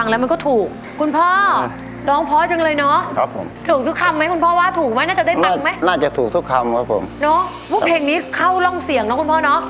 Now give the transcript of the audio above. น่าจะถูกทุกคำครับผมเนาะเพราะเพลงนี้เข้าร่องเสี่ยงเนาะคุณพ่อเนาะ